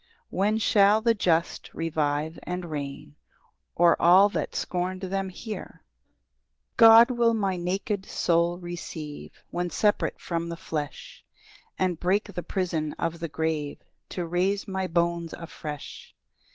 When shall the just revive, and reign O'er all that scorn'd them here? 3 God will my naked soul receive, When sep'rate from the flesh; And break the prison of the grave To raise my bones afresh.